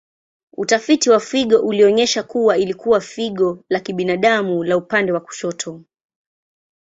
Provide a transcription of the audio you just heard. Utafiti wa figo ulionyesha kuwa ilikuwa figo la kibinadamu la upande wa kushoto.